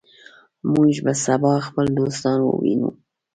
موږ به سبا خپل دوستان ووینو.